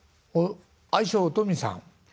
愛称オトミさん？